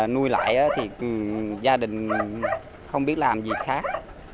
nuôi lại thì gia đình không biết làm gì khác